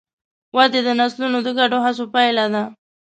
ودې د نسلونو د ګډو هڅو پایله ده.